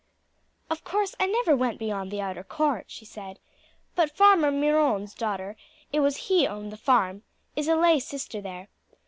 "Of course I never went beyond the outer court," she said; "but Farmer Miron's daughter it was he owned the farm is a lay sister there.